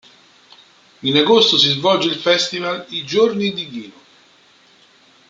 In agosto si svolge il festival "I giorni di Ghino".